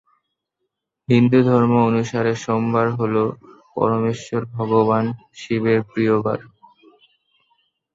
হিন্দুধর্ম অনুসারে সোমবার হলো পরমেশ্বর ভগবান শিবের প্রিয় বার।